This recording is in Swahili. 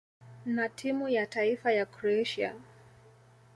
na timu ya taifa ya Kroatia.